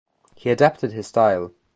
He adapted his style.